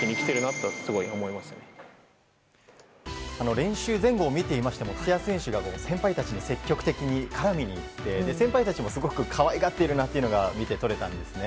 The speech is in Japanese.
練習前後を見ていましても津屋選手が先輩たちに積極的に絡みにいって、先輩たちもすごく可愛がっているのが見て取れたんですね。